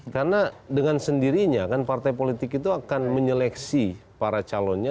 karena dengan sendirinya kan partai politik itu akan menyeleksi para calonnya